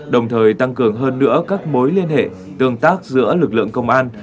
đồng thời tăng cường hơn nữa các mối liên hệ tương tác giữa lực lượng công an